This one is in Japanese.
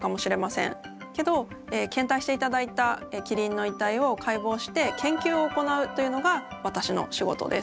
けど献体していただいたキリンの遺体を解剖して研究を行うというのが私の仕事です。